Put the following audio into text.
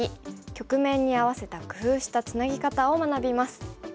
局面に合わせた工夫したツナギ方を学びます。